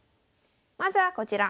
まずはこちら。